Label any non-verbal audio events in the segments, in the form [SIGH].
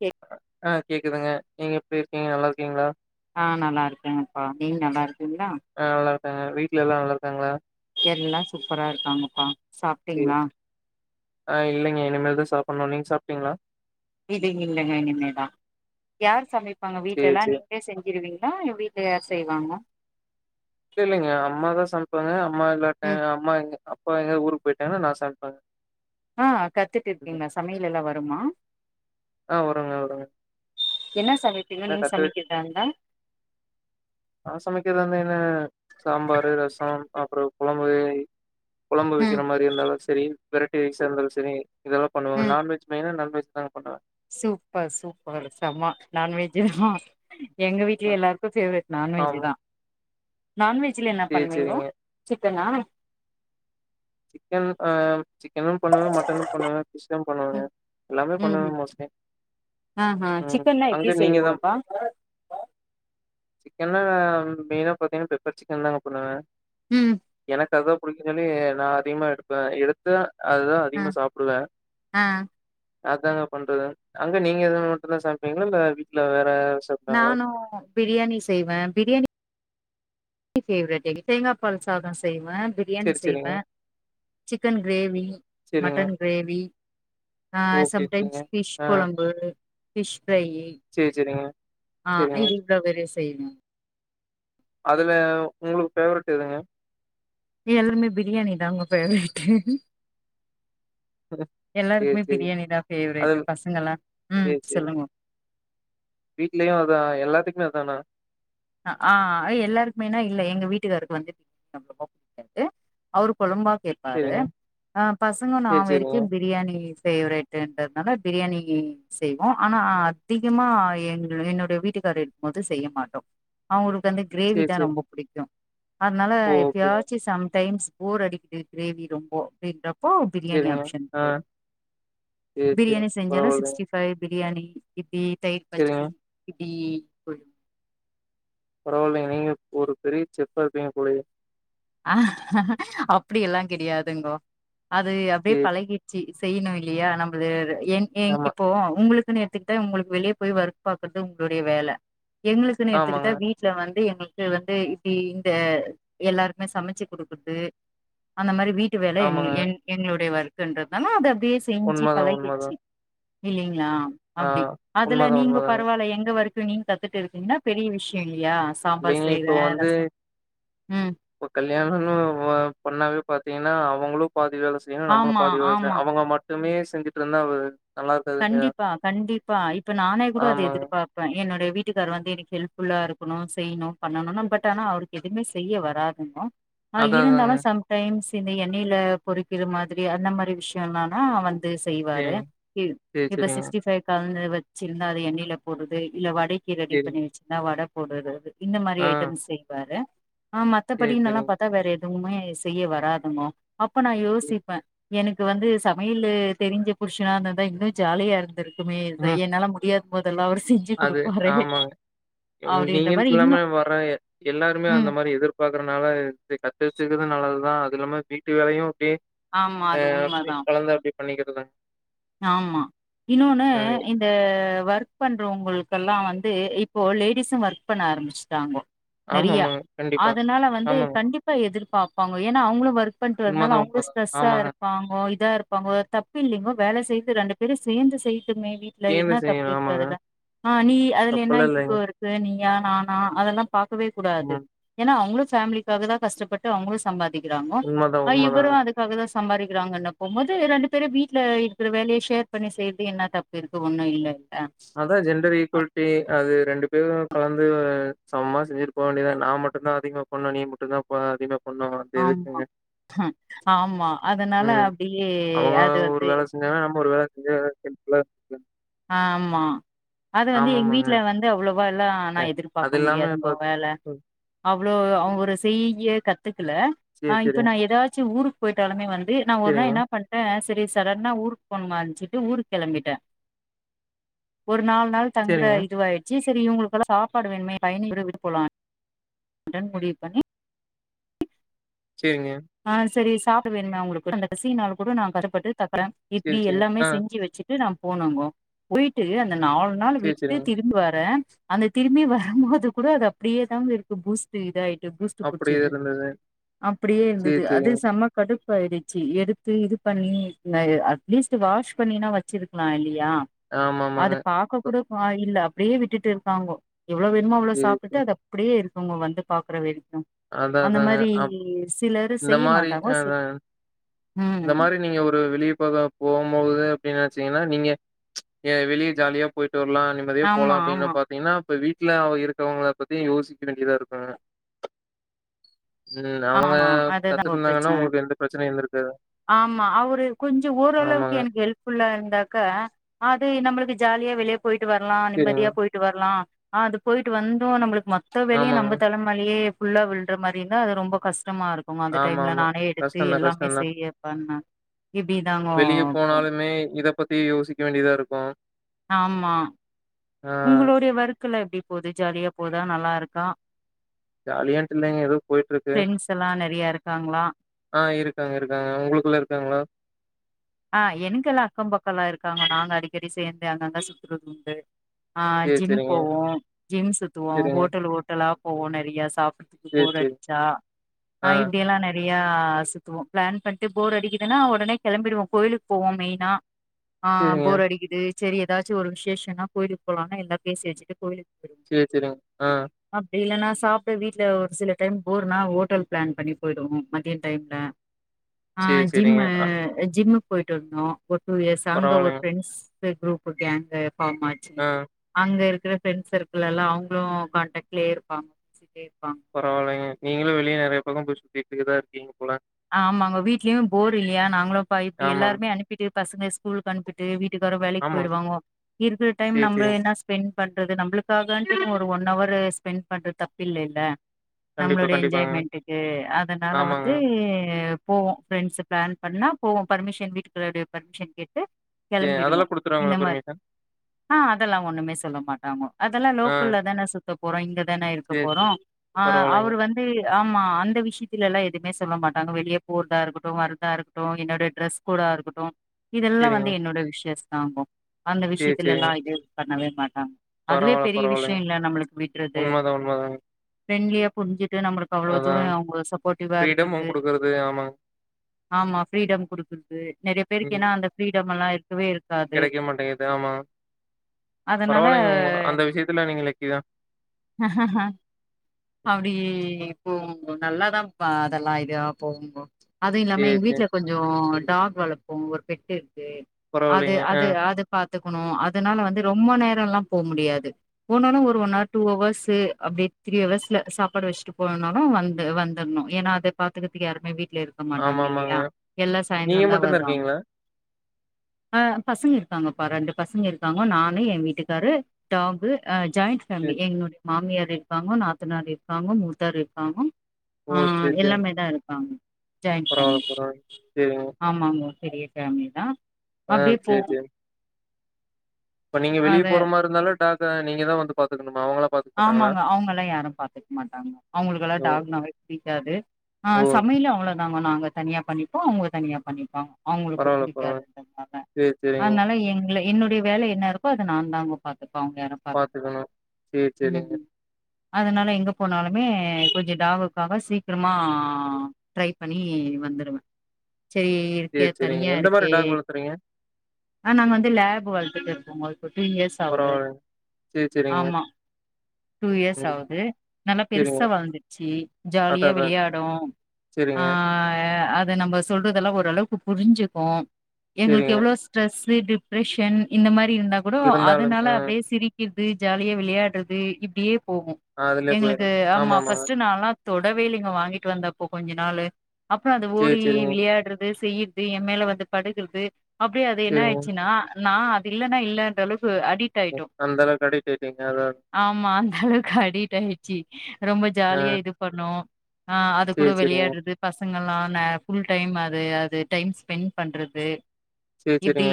எ ஆ கேக்குதுங்க. நீங்க எப்டி இருக்கீங்க நல்லா இருக்கீங்களா? ஆ நல்லா இருக்கேம்ப்பா நீ நல்லா இரு ஆ நல்லா இரு க்கே வீட்ல எல்லா நல்லா இருக்காங்களா? எல்லா சூப்பரா இருக்காங்கப்பா. சேரி. சாப்ட்டீங்களா? ஆ இல்லைங்க இனிமேல்தா சாப்படன்னு நீங் சாப்டீங்களா? இது இல்லைங்க இனிமேதா யார் சமை ப்பாங்க வீட்ல சேரி எல்லா சேரி. நீங்களே செஞ்சிருவீங் களா இ வீட்ல யார் செய்வாங்ளா? இல்லைங்க அம்மாதா சமைப்பாங்க அம் மா இல்லாட்ட ம் அம்மா இங்க அ அப்பா எங்கயாது ஊருக்கு போயிட்டங்கன்னா நா சமப்பங் ஆ கத்துட்டு இருக்கீங்களா சமையலெல்லா வருமா ஆ வருங்க வருங்க. என்ன சமப்பிங்க என்ன நீங் கத்து சமக்கதாந்த அ சாம்பாரு ரசம் அப்றம் கொழம்பு குழம்பு ம் வைக்கிற மாதிரி இருந்தாலு சரி வெரட்டி ரைஸ இருந்தாலு சரி இதெல்லா பண்ணுவங்க ம் நான்வெஜ் மெயினா நான்வெஜ் அ பட்டா சூப்பர் சூப்பர் சமா நான்வெஜ்ஜ ஹா எங்க வீட்ல ம் எல்லாருக்கு ஃபேவரெட் நான்வெஜ் ஆமா. தா நான்வெஜ்ல என்னா சேரி பண்ணுவீங்கோ சேரிங்க. ட்டனா என்னும் பண்ணுவே மட்டனு பண்ணுவே சிக்கன் பண்ணுவங்க எல்லாமே பண்ணுவங்க மொஸ்லி ஆஹ சிக்கன்ல்லா எப்டி செய்வீங்கப்பா சிக்கனா மெயினா பாத்தீங்கன்னா பெப்பர் சிக்கன் தாங்க பண்ணுவே ம் எனக்கதா புடிக்குஞ்சொல்லி நா அதிகமா எடுப்பே எடுத்தா அதுதா ஆ அதிகமா சாப்டுவே ஆ அதங்க பண்றது அங்க நீங்க எது மட்டு தா சமைப்பீங்களா இல்ல வீட்ல வேற யாராவது சமைப்பாங்களா? நானு பிரியாணி செய்வே பிரியாணி [UNINTELLIGIBLE] பெவரட் தேங்காய் பால் சாத செய்வ பிரியாணி சரி, சரிங்க. செய்வே சிக்கன் க்ரேவி சரிங்க. மட்டன் க்ரேவி அ ஓகே, சம் ஓகேங்க. டைம்ஸ் ஃபிஷ் ஆ. கொழம்பு பிஷ் ஃப்ரையி சரி, சரிங்க. அ சரிங்க. இது தவிர செய்னு அதுல உங்களுக் ஃபேவரெட் எதுங்க எல்லாமே பிரியாணி தா உங்க ஃபேவரேட்டு் சேர் செரிங் தா ஃபேவரட் அதது பசங்கல்லா ம் சேரி செரிங்க சொல்லுங்க வீட்லயு அதா எல்லாத்துக்குமே அதானா அ ஆ எல்லாருக்குமேன்னா இல்ல எங்க வீட்டுக்காருக்கு வந்து [INAUDIBLE] ட்டு அவரு கொழம்பா கேப்பாரு சரிங்க. ஆ பசங்க நா சேரி சேரிங்க. வெரைக்கு பிரியாணி ஃபேவரெட்ன்றதுனால பிரியாணி செய்வோ ஆனா அதிகமா எங்க என்னுடைய வீட்டுக்காரர் இருக்கும் போது செய்ய மாட்டோ அவரு ந்து க்ரேவி சேரி தா சேரி. ரொம்ப புடிக்கு அதனால ஓகேங்க. எப்யாச்சு சம்டைம்ஸ் போரடிக்குது க்ரேவி ரொம்போ அப்டின்றப் போ பிரியாணி சேரிங்க. ஆப்ஷன் ஆ போயிருவே சேரி சேரிங்க. பிரியாணி செஞ்சாலு பரவால்லைங்க. சிக்ஸ்டி பைவ் பிரி பிரியாணி இப்டி தயிர் சேரிங்க. பச்சடி டீயி பரவால்லைங்க நீங்க ஒரு பெரிய செஃப்பா இருப்பிங்க போலயே அ அப்புடி எல்லா கெடையாதுங்கோ அது அப்டியே சேரி. பழகிருச்சு செய்யணு இல்லியா நம்புழுது என் எங் ஆமா. இப்போ உங்குளுக் நேத்திக்தா இவுங்குளுக்கு வெளிய போய் ஒர்க் பாக்குறது உங்குளுடைய வேல எங்களுக்குன்னு ஆமாங்க. எடுத்துக்கிட்டா வீட்ல வந்து எங்களுக் கு வந்து இப்டி இந்த எல்லாரு இந்த மாரி சமச்சு குடுக்குறது அந்த மாரி வீ ட்டு வேல என் ஆமாங்க. என் எங்களுடைய வொர்க் தின்றதுனா அப்டியா யே செஞ்சு உண்மதான் பழகிருச்சு உண்மதான். இல்லிங் ங்ளா ஆ அப்டி அதுல உண்மதான் நீங்கோ உண்மதாங்க. பரவால்ல எங்க வொர்க் னு கத்துட்டுருந்தீங்கன்னா பெரிய விஷ்யோ இல்லி யா சாம்பார் இல்லைங்க செய்ற இப்ப ரசோ ம் கல்யாணன்னு பண்ணாவே பாத்தீங்கன்னா அவங்குளு பாதி வேல செய்யணு நம்மளு ஆமா பாதி வேல ஆமா செய்யணு அவங்க மட் செம்மயா செஞ்சுட்டு இருந்தா அவரு கண்டிப்பா கண்டிப்பா இப்ப நானே கூட அத ஆமாங்க. எதிர்பாப்ப என்னுடைய வீட்டுக்கார் வந்து எனக்கு ஹெல்ப்ஃபுல்லா இருக்கணு செய்ணு பண்ணணுன்னா பட் ஆனா அவருக்கு எதுமே செய்ய வராதுன்னா ஆ அதான் அதாங்க. இருந்தாலு சம் டைம்ஸ் இந்த எண்ணெயில பொறிக்கிற மாதிரி அந்த மாரி விஷ்யோல்லானா வந் து செய்வாரு சேரிங்க. சேரி இப்ப சேரிங்க. சிக்ஸ்டி ஃபைக்கா வந்து வெச்சிருந்தா அது எண்ணெயில போடுறது இல்ல வட் வடைக்கு ரெடி சேரிங்க. பண்ணி வெச்சிருந்தா வட போடுறது இந்த மாரி ஆ ஐட்டம் செய்வாரு ஆ சேரி மத்தபடின்னு எல்லா சேரிங்க. பாத்தா வேற எது துவுமே செய்ய வராதுமா அப்ப நா யோசிப்பே எனக்கு வந்து சமையலு தெரிஞ்ச புருஷனாந்த தா இன்னு ஜாலியாரு ந்துர்க்குமே இது ம் என்னால முடியா அது ஆமாங்க இங் அப்டின்ற மாரி நீங்கன்ட்டில்லாம இன்னு வர எ எல்லாருமே அந்த ம் மாரி எதிர்பாக்குறனால இது கத்து வச்சுக்கது நல்லதுதா ங்குற மா வீட்டு வேலையு ஆமா [UNINTELLIGIBLE] ஆ அது அப்டி உண்மதா கலந்து அப்டி பண்ணிக்கிறதா ஆமா இன்னொன்னு இந்த ஒர்க் பண்றவுங்களு க்கல்லா வந்து இப்போ லேடிஸு ஒர்க் பண்ண ஆரம்பிச்சுட்டாங்கொ நறியா ஆமாமாங்க. கண்டிப்பா. அதனால வந்து ஆமாங்க. கண்டிப்பா எதிர் பாப்பாங்க ஏனா அவுங்களு ஒர்க் பண்ட்டு வந்தாலு உண்மதான், அவுங்க உண்மதான். ஸ்ட்ரெஸ்ஸா ஆமாங்க. இருப்பாங்கோ இதா இருப்பாங்கோ தப்பு இல்லெங்கோ வேல செய்து ரெண்டு பேரு சேந்து செய் துமே வீட்ல சேர்ந்து என்னா தப்பு செய்யணும். இருக்கு ஆமாங்க. அதுல ஆ நீ அதுல என்ன தப்பெல்லாம் ஈகோ இல்லைங்க. இருக்கு நீ ஏ நானா அதல்லா பாக்கவே கூடாது ம். ஏனா அவுங்களு ஃபேமிலிக்காக தா கஷ்டப்பட்டு அவுங்களு சம்பாதி க்கிறாங்கொ உண்மதான், அ இவரு உண்மதாங்க. அதுக்காக தா சம்பாரிக்கிறாங்கன்ன போம்மொது ரெண்டு பேரு வீட்ல ருக்குற வேலைய ஷேர் பண்ணி செய்றது என்ன தப்பு இருக்கு ஒன்னு இல்ல அதா ஜென்டர் ஈக்வல்ட்டி அது ரெண்டு பேரு கலந்து சமமா செஞ்சுட்டு போ வேண்டியதா நா மட்டு தா அதிகமா பண்ணு நீ மட்டு தா ப அதிகமா பண்ணணும். அது ஆமா எதுக்குங்க? ஆமா அதனால ம். அப்டியே அவங்க அது ஒரு வந்து வேலை செஞ்சாங்கன்னா, நம்ம ஒரு வேலை செஞ்சா சிம்ப்ளா [UNINTELLIGIBLE] ஆமா அது வந்து எங் ஆமாமாங்க. வீட்ல வந்து அவ்ளோ வல்லா நா அ எதிர்பாக்க அது இல்லாம இப்ப முடியாதுங்கொ வேல ம் அவ்ளோ அவுங் ஒரு டீய கத்து க்குல ஆ சேரி இப்ப சேரிங்க நா எதாச்சு ஊருக் போயிட்டாலுமே வந்து நா ஒரு நா சேரிங்க என்னா பண்ட்டே திரி சடன்னா ஊருக்கு போணுமான்ச்சிட்டு ஊருக் கெளம்பிட்டே ஒரு நாலு நாள் தங்குற சேரிங்க இதுவாயிட்ச்சி தெரியு இவங்களுக்கெல்லா சாப்பாடு வேண்மே பயணி விட விட்டு போலா முடிவு பண்ணி சேரிங்க ஆ சேரிஸ் சாப்ட வேணுமே அவங்களுக்கு அந்த கடைசி நாள் கூட நா கஷ்டப்பட்டு தக்கர சேரி இப்டி சேரிங்க எல்லாமே ஆ செஞ்சு வெச்சுட் வந்து போனங்கோ போயிட்டு அந் இந்த நாலு நாள் சேரி விட்டு சேரிங்க திரும்பி வர அந்த திரும்பி வரும்போது கூட அது அப்டியே தாங்க இருக்கு பூஸ்ட்டு இது ஆயிட் இந்த பூஸ்ட்டு அப்டியே குடுச்சுட்டு இருந்தது அப்புடியே சேரி இருந்துது அது சேரிங்க சமக்க கடுப்பாயிடுச்சு எடுத்து இது பண்ணி அட்லீஸ் வாஷ் பண்ணிணா வச்சிருக்கலா இல்லி யா ஆமா அத ஆமாங்க பாக்க கூட ஆ இல்ல அப்டியே விட்டுட்டு இருக்காங்கோ எவ்ளோ வேணுமோ அவ்ளோ சேரி சாப்புட்டுட்டு சேரி அத அப்டியே இருக் உங்க வந்து பாக்குற வேரு அ அதா அந்த அதாங்க மாரி அப் சிலருஸ் இந்த மாரி அ அ இந்த ம் மாரி நீங்க ஒரு வெளிய போக போகும்போது அப்டின்னு ச்சீங்கன்னா நீங்க வெளிய ஜாலியா போயிட் டு வரல்லா நிம்மதியா போலா ஆமா அப்டின்னு ஆமா பாத்தீங்கன்னா போய் வீட் வீட்ல இருக்கவங்கள பத்தி யோசிக்க வேண்டியதா இருக்கு பிரச்சன இல்ல அவங்க ஆமா அதுதாங்க தத்துருந்தாங்கன்னா பிரச்சன உங்குளுக்கு எந்த பிரச்சனையு இல்லருக் ஆமா அவரு கொஞ்ச ஓரளவுக்கு ஆமாங்க எனக்கு ஹெல்ப்ஃபுல்லா இருந்தாக்கா அது நம்மளுக்கு ஜாலியா வெளிய போயிட்டு வர்லா சேரிங்க நிம்மதியா போயிட்டு வர்லா ஆ அது போயிட்டு வந்தோ நம்மளுக் மொத்த வேளையு ஆமாங்க நம்ம தலமேலையே ஃபுல்லா விழ்ற மாரினா ரொம்போ கஷ்டமா இருக்குங்க அந்த ஆமா டைம்ல ஆமா நானே எடுத்து கஷ்டந்தா எல்லாமே கஷ்டந்தா செய்ய பண்ண இப்டிதாங்க போகு க்க வேண்டியதா இருக்கு ஆமா உங்களுடைய வர்க்கலா எப்டி போது ஜாலியாப் அப்போதா நல்லா இருக்கு ஜாலியான்ட்டு இல்லங்க ஏதோ போய்ட்ருக்கு ஃப்ரெண்ட்ஸ் எல்லா நெறையா இருக்காங்களா ஆ இருக் க்காங்க இருக்காங்க உங்களுக்குள்ள இருக்காங்களா ஆ எனக்கெல்லா அக்க பக்க எல்லா இருக்காங்க நாங்க அடிக்கடி சேர்ந்து அங்கங்க சுத்தறது உண்டு ஆ சரி, ஜிம் சரிங்க. போவோ ஜிம் சுத்துவோ சரிங்க. ஹோட்டல் ஓட்டலா போவோ நிறையா சாப் சரி, சரி. போறடிச்சா ஆ இப்டியல்லா நெறைய யா சுத்துவோ ப்ளான் பண்ட்டு போரு அடிக்குதுன்னா உடனே கிளம்பிடுவோ கோயிலுக் போவோமெய்னா ஆ சரிங்க. போரு அடிக்குது செரி ஏதாச்சு ஒரு விசேஷனா கோயிலுக் போலா எல்லா பேசி வச்சுட்டு கோயிலுக் சேர் செரிங் ஆ இல்லனமனா சாப்ட வீட்ல ஒரு சில டைம் போர்னா ஹோட்டல் ப்ளான் பண்ணி போய்டுவோ மதிய டைம்ல அ சரி, சரிங்க. ஜிம்மு அ ஜிம்மு போய்ட்டு வந்தொ ஒரு டூ இயர்ஸ் சங்க ஒரு பரவாயில்லைங்க. ஃப்ரெண்ட்ஸ் து க்ரூப்பு டான்சு ஃபாமாச்சி ஆ அங்க இருக் சில ஃப்ரெண்ட் சர்க்கிள்ல்லா அவங்களு காண்டக்ட்லயே இருப்பாங்லே பரவால்லங்க நீங்களு வெளிய நெறைய பக்கம் போய் சுத்திட்டுதா இருக்கீங்க போல. ஆமாங்க வீட்லயு போரு இல்லையா நாங்களு பா இப்டி ஆமாம். எல்லாருமே அனுப்பிட்டு பசங்க ஸ்கூல் கனுப்பிட்டு வீட் டுக்காரு வேலக்கு ஆமா. போய்டுவாங்கொ இருக்கிற டைம் சரி, நம்ம சரிங்க. என்னா ஸ்பெண்ட் பண்றது நம்மளுக்காகன்ட்டுனு ஒரு ஒன் ஹவர் ஸ்பெண்ட் பண்றது தப்பு இல்லல்ல கண்டிப்பா, நம்மளோட கண்டிப்பாங்க. என்ஜாய்மென்ட்டுக்கு அதனால ஆமாங்க. வந்து அ போவோ ஃப்ரெண்ட்ஸ் ப்ளான் பண்ணா போவோ பர்மிஷன் வீட்டுக்காருடைய பர்மிஷன் கேட்டு சரி கெளம்பிடுவோ அதெல்லாம் இந்த குடுத்துருவாங்களா மாரி பெர்மிஷன்? ஆ அதெல்லா ஒண்ணுமே சொல்ல மாட்டாங்கொ அதெல்லா ஆ லோக்கல்லதான சுத்தபோ குறைந்த தானே இருக்க சரி, போறோ சரி. அ பரவாயில்லைங்க. அவரு வந்து ஆமா அந்த விஷயத்தலல்லா எதுவுமே சொல்ல மாட் டாங்க வெளியே போர்தா இருக்கட்டு வர்தா இருக்கட்டு என்னனுடைய ட்ரெஸ் கோடா இருக்கட்டு இதெல்லா சரிங்க. வந்து என்னோட விஷஸ் ஆம்போ அந்த சரி, விஷயத்துலல்லா சரிங்க. இது பண்ணவே அ அதுவே பரவால்ல, பெரிய விஷ்யொ பரவால்லைங்க. இல்ல நம்மளுக் விட்றது உண்மதான், உண்மதாங்க. ஃபரெண்ட்லியா புருஞ்சு ட்டு நம்மளுக்கு அவ்ளோ அதான். தூர‌ அவுங்க சப்போட்டிவா இருக்கற் ஃப்ரீடமு து குடுக்குறது ஆமாங்க. ஆமா ஃப்ரீடம் குடுக்கற்து நெறைய பேருக்கு ம். என்னா அந்த ஃப்ரீ டமல்லா இரு கெடைக்க மாட்டெங்கிது ஆமா அதனால பரவால்லைங்க உங்க அந்த விஷயத்துல நீங்க லக்கிதா அப்டி இப்போ நல்லாதாம்பா அதல்லா இதுயா போகும் பொ அதுவு இல்லாம சேரி, எங்க சேரி. வீட்ல கொஞ்சொ டாக் வளப்போ ஒரு பெட்டு அது பரவாயில்லைங்க. ஆ. அது அது பா த்துக்கணு அதனால வந்து ரொம்ப நேரல்லா போ முடியாது போனாலு ஒரு ஒன் ஆர் டூ அவர்ஸு அப்டியெ த்ரீ அவர்ஸ் ல சாப்பாடு வச்சுட்டு போனுனாலு வந்து வந்தர்ணு ஏனா அத பாத்துக்கர்துக்கு யாருமே வீ ட்ல இருக்க மாட்டாங்க ஆமாமாங்க. இல்லயா எல்லா நீங்க சாயந்தரந்தா மட்டும் தான் வருவாங்க இருக்கீங்களா? ஆ பசங்க இருக்காங்கப்பா ரெண்டு பசங்க இருக்காங்க நானு ஏ வீட்டுக்காரு டாகு அ ஜாயிண்ட் ஃபேமிலி சரி. எங்ளொடெ மாமியாரிக்காங்கொ நா த்தனாரிக்காங்கொ மூத்தாரிக்காங்கொ ஓ! ஆ சரி, சரிங்க. எல்லாமேதா இருப்பாங்க ஜாயின்ட் பரவால்ல, ஃபேமிலி பரவால்ல. ஆமாங்கொ பெரிய ஃபேமிலிதா ஆ‌ சே சே இப்ப நீங்க வெளிய அது போற மாருந்தாலு டாக நீங்க தா வந்து பாத்துக்கணு ஆமாங்க அவுங்கல்லா யாரு பாத்துக் மாட்டாங்க அவுங்களுக்கெல்லா ஓ! டாக்னாவே புடி க்காது ஆ ஓ! சமையலு அவ்ளொதாங்க நாங்க தனியா பண்ணிப்போ அவுங்க தனியா பண்ணிப்பாங்க அவுங்களுக்கு பரவால்ல, புடிக்காது பரவால்ல. [UNINTELLIGIBLE] சரி, சரிங்க. அன்னால எங்ளெ என்னுடைய வேல என்ன இருக்கோ அத நாந்தாங்க பா த்துப்ப அவுங்க யாரு பாத்துக் மாட்டாங்க சேர் சேரிங்க அதுனால எங்க போனாலுமே கொஞ்சோ டாகுக்காக சீக்ரமா ட்ரை பண்ணி வந்துருவே சேரி இருக்கே சரி, சரிங்க. தனியா எந்த மாரி இருக்கே டாக் வளர்த்துறீங்க? அ நாங்க வந்து லேப் வளத்துட்டு இருக்கோங்க இப்ப டூ இயர்ஸ் ஆவுது பரவால்லங்க. சரி, சரிங்க. ஆமா டூ இயர்ஸ் ம். ஆவுது நல்லா சரிங்க. பெருசா வளந்துச்சி ஜாலியா அதான், அதான். விளையாடு ஆ சரிங்க, அ அத நம்ம சொல்றதெல்லா ஓரளவுக்கு புரிஞ்சுக்கோ எங்களுக்கு சரிங்க. எவ்ளோ ஸ்ட்ரெஸ் ப்ரீ டிப்ரெஷன் இந்த மாரி இருந்தா கூட இருந்தாலும் அதுனால ஆ. அப்டியே சிரிக்குது து ஜாலியா விளையாட் ட்றது இப்டியே போகு ஆ அதுலயே போயிரு எங்களுக்கு ஆமா ஆமாங்க ஃபஸ்ட்டு நாலா தொடவே இல்லங்கோ வாங்கிட்டு வந்தப்போ கொஞ்ச நாளு அப்றோ அது சேரி ஓடி சேரிங்க விளையாட்றது செய்றது எ மேல வந்து படுக்றது அப்டியே அது என்ன சேரிங்க ஆயிடுச்சுன்னா நா அது இல்லனா இல்லன்ற அளவுக்கு அடிக்ட் ஆயிட்டோ அந்தளக்கு அடிக்ட் ஆயிட்டீங்க அதா ஆமா அந்த அளவுக்கு அடிட் ஆயிடுச்சு ரொம்ப ஆ ஜாலியா இது பண்ணு ஆ அது கூட சேரி சேரிங்க வெளையாட்றது பசங்கல்லா ன்ன ஃபுல் டைம் அது அது டைம் ஸ்பெண்ட் பண்றது செரி இப்டி செரிங்க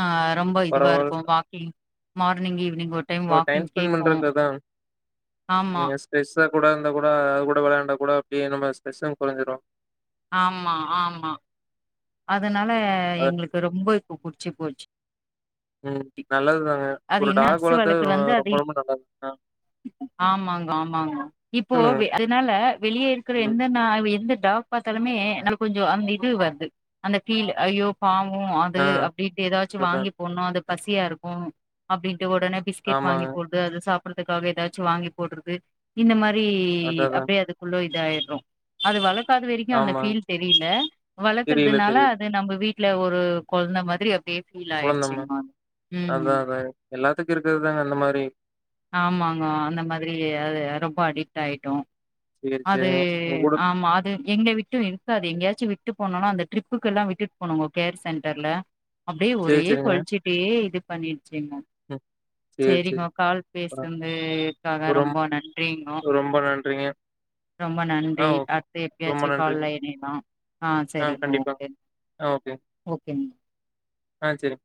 ஆ ரொம்ப இதுவா இருக்கோ வாக்கிங் மார்னிங் ஈவினிங் ஒரு ஒரு டைம் வாக்கிங் ஸ்பென்ட் கேக்கு பண்றதுக்கதா ஆமா நீங்க ஸ்பேஸ் இப்பகூட இருந்தா கூட அது கூட வெளையாண்டா கூட அப்டியே நம்ம ஸ்ட்ரெஸ்ஸு கொறஞ்சிடு ஆமா ஆமா அதுனால அது எங்களுக்கு ரொம்ப இப்போ புடிச்சி போச்சு ம் நல்லதுதாங்க அது ஒரு என்ன டாக் [INAUDIBLE] சு வளர்த்தது வெளக்குல ரொ இருந்து இழு ரொம்ப அது ரொம்ப நல்லது ஆ ஆமாங்க ஆமாங்க இப்போ சொல்லுங்க அதனால வெளிய இருக்குற ம் எந்த நா எந்த டாக் பாத்தாலுமே நமக்கொஞ்சோ அந்த இது வருது அந்த ஃபீலு ஐயோ பாவோ அது ஆ அப்டின்ட்டு ஏதாச்சு அததா வாங்கி போட்ணு அந்த பசியாயிருக்கோ அப்டின் க ஒடனே பிஸ்கட் வாங்கி ஆமாங்க போடு அது சாப் படுறதுக்காக எதாச்சு வாங்கி போடுறது இந்த மா ரி அததா அப்டியே அதுக்குள்ள இ தாயிரு அது வளக் காத வரைக்கு அந்த ஆமா ஃபீல் தெரியல வளக்குற தெரியில னால தெரியில அது நம்ப வீட்ல ஒரு கொழந்த மாதிரி அப்டியே ஃபீல் குழந்தம்மா ஆயிடுச்சுங்மா அதா ம் அதா எல்லாத்துக்கு இருக்குறதுதாங்க அந்த மாரி ஆமாங்கோ அந்த மாதிரி அது ரொம்ப அடிக்ட் ஆயிட்டோ சேரி அது சேரிங்க உங்க கூட ஆமா அது எங்கள விட்டு இரு க்காது எங்கயாச்சு விட்டு போனோனா அந்த ட்ரிப்புக்கு எல்லா விட்டுட்டு போனோங்க கேர் சென்டர்ல அப்டியே சேரி ஒரே சேரிங்க கொலச்சுட்டே இது பண்ணி ச்சுங்கோ ம் சேரி செரிங்கோ சேரி கால் பேசுனதுக்காக ரொம் ரொம்போ நன்றிங்கோ ரொம்ப நன்றிங்க. ரொம்ப ஆ நன்றி ஓகே. அடுத்து ரொம்ப எப்யாச்சு நன்றிங்க. கால்ல இணையலா ஆ செரிங்கோ ஓகே ஆ ஓகே. ஓகேங்க ஆ செரி